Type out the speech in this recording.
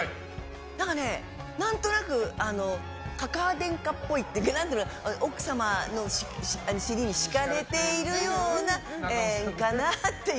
何となくかかあ天下っぽいっていうか奥様の尻に敷かれているようなかなって。